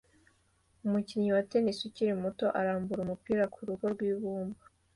Umukinnyi wa tennis ukiri muto arambura umupira kurugo rwibumba